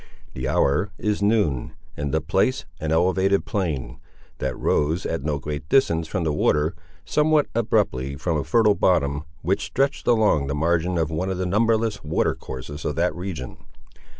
The hour is noon, and the place an elevated plain, that rose, at no great distance from the water, somewhat abruptly from a fertile bottom, which stretched along the margin of one of the numberless water courses of that region.